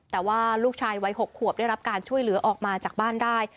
แต่ว่าลูกชายวัย๖ขวบได้รับการช่วยเหลือออกมาจากบ้านได้